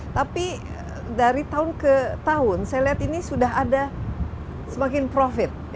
tapi dari tahun ke tahun saya lihat ini sudah ada semakin profit